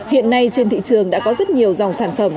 hiện nay trên thị trường đã có rất nhiều dòng sản phẩm